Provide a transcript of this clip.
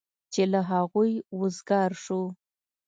چې له هغوی وزګار شو.